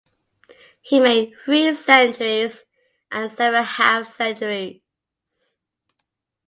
He made three centuries and seven half centuries.